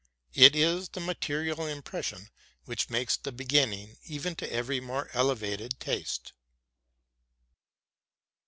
It is the material impression which makes the beginning even to every more elevated taste.